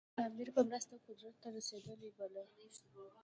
امیر په مرسته قدرت ته رسېدلی باله.